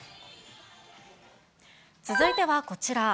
続いてはこちら。